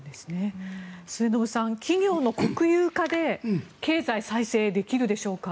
末延さん、企業の国有化で経済再生できるでしょうか。